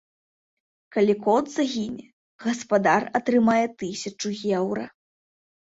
Калі кот загіне, гаспадар атрымае тысячу еўра.